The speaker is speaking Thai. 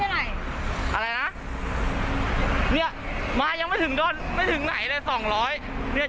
เมื่อกี้ผู้ชายพูดเท่าไหร่๑๕๐บาท